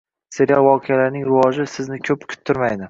Serial voqealarining rivoji sizni ko’p kuttirmaydi